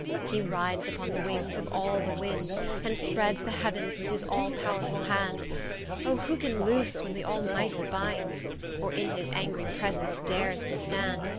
He rides vpon the wings of all the windes, And spreads the heav'ns with his all powrefull hand; Oh! who can loose when the Almightie bindes? Or in his angry presence dares to stand?